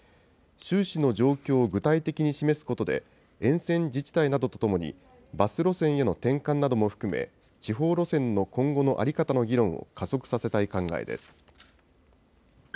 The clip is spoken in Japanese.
収支の状況を具体的に示すことで、沿線自治体などとともに、バス路線への転換なども含め、地方路線の今後の在り方の議論を加速させたい考えです。